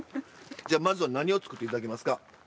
じゃあまずは何を作って頂けますか？